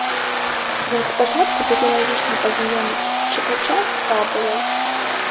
Аднак спачатку будзе лагічна пазнаёміць чытача з фабулай.